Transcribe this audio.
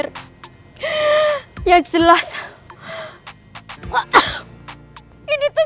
tangannya mas randi tuh